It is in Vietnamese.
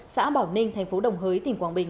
xã bảo ninh tp đồng hới tỉnh quảng bình